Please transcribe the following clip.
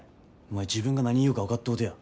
お前自分が何言うか分かっとうとや。